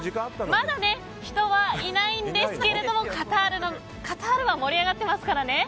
まだ、人はいないんですけれどもカタールは盛り上がってますから。